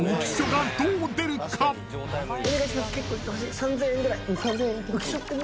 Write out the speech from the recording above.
３，０００円ぐらい。